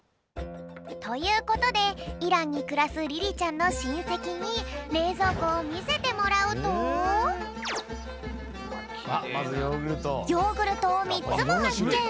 ということでイランにくらすリリちゃんのしんせきにれいぞうこをみせてもらうとヨーグルトをみっつもはっけん！